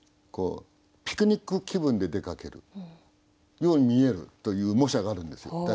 ピクニック気分で出かけるように見えるという模写があるんですよ。